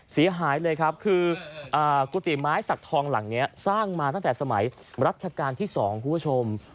เสียหายเลยครับคือกุฏิไม้สักทองหลังนี้สร้างมาตั้งแต่สมัยรัชกาลที่๒คุณผู้ชม